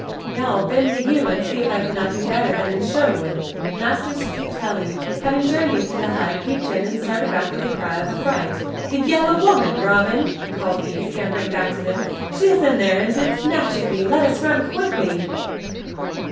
"Now I'll bend the yew and see if I cannot do better than in Sherwood." Master Stuteley, having journeyed to the hut, peeped in and started back with a cry of affright. "The Yellow Woman, Robin!" called he, scampering back to them. "She is in there, and did snatch at me! Let us run, quickly!"